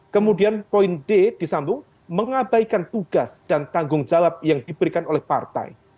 kemudian poin d disambung mengabaikan tugas dan tanggung jawab yang diberikan oleh partai